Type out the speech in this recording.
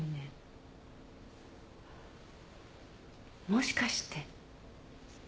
もしかして。